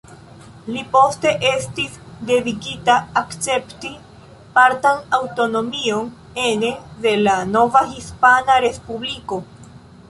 Li poste estis devigita akcepti partan aŭtonomion ene de la nova Hispana Respubliko.